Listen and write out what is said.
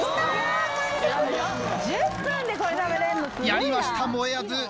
やりましたもえあず。